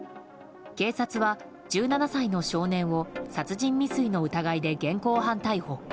警察は１７歳の少年を殺人未遂の疑いで現行犯逮捕。